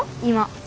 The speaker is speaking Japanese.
今。